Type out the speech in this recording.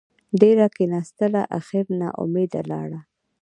ډېره کېناستله اخېر نااوميده لاړه.